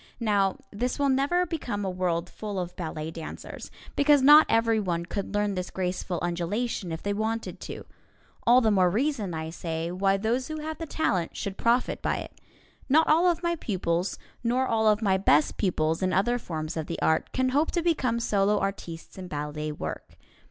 Now, this will never become a world full of ballet dancers, because not everyone could learn this graceful undulation if they wanted to. (All the more reason, I say, why those who have the talent should profit by it.) Not all of my pupils, nor all of my best pupils in other forms of the art, can hope to become solo artistes in ballet work.